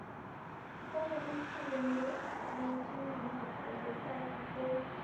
方奕辉夫人也有姊妹居于美国德萨斯州。